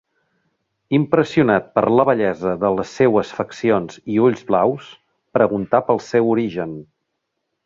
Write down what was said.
Impressionat per la bellesa de les seues faccions i ulls blaus preguntà pel seu origen.